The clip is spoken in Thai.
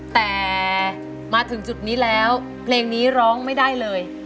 แต่มาถึงจุดนี้แล้วเพลงนี้ร้องไม่ได้เลย